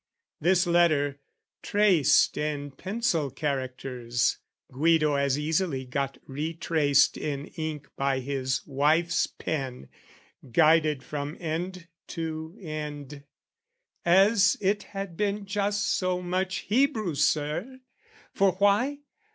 This letter, traced in pencil characters, Guido as easily got retraced in ink By his wife's pen, guided from end to end, As it had been just so much Hebrew, Sir: For why?